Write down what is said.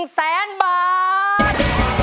๑แสนบาท